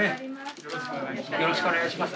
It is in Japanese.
よろしくお願いします。